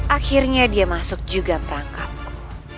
akhirnya dia masuk juga perangkapku